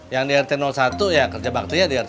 yang di rt satu ya kerja baktinya di rt satu